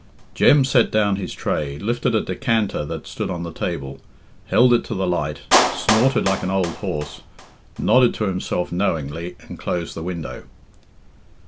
Jem set down his tray, lifted a decanter that stood on the table, held it to the light, snorted like an old horse, nodded to himself knowingly, and closed the window.